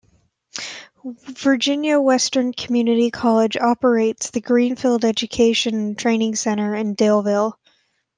Virginia Western Community College operates the Greenfield Education and Training Center in Daleville.